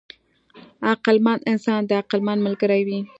عقلمند انسان د عقلمند ملګری وي.